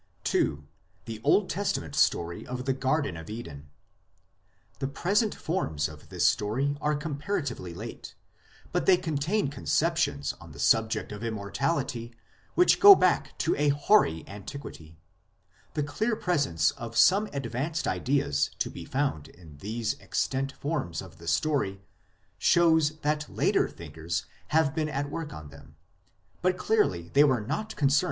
II. THE OLD TESTAMENT STORY or THE GARDEN OF EDEN The present forms of this story are comparatively late, but they contain conceptions on the subject of Immor tality which go back to a hoary antiquity. The clear presence of some advanced ideas to be found in these extant forms of the story shows that later thinkers have been at work on them, but clearly they were not concerned to 1 Op. cit., i. p. 31. a Op.